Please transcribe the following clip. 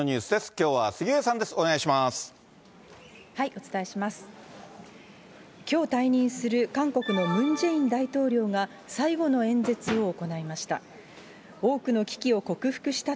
きょう退任する韓国のムン・ジェイン大統領が、最後の演説を行いました。